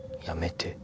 やめて！